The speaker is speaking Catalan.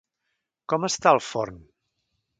Com està el forn?